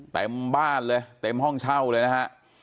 เต็มบ้านเลยเต็มห้องเช่าเลยนะฮะ